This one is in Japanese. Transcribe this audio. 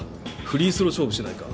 フリースロー勝負しないか？